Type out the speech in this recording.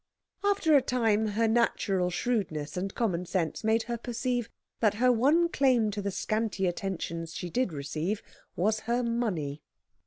After a time her natural shrewdness and common sense made her perceive that her one claim to the scanty attentions she did receive was her money.